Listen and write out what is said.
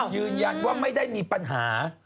ยืนยันว่าไม่ได้มีปัญหา